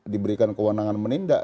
diberikan kewenangan menindak